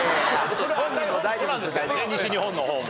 それはそうなんですけどね西日本の方も。